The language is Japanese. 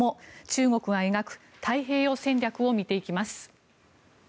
中国が描く太平洋戦略を見ていきます。